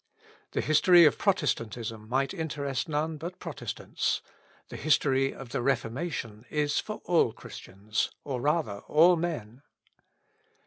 The history of Protestantism might interest none but Protestants; the history of the Reformation is for all Christians, or rather all men.